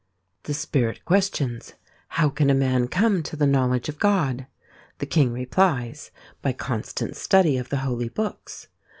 The Spirit questions : How can a man come to the knowledge of God ? The King replies: By constant study of the holy books.